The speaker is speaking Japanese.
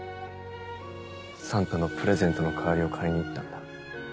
サンタのプレゼントの代わりを買いに行ったんだ。